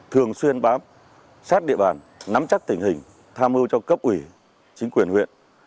thường xuyên bám sát địa bàn nắm chắc tình hình tham mưu cho cấp ủy chính quyền huyện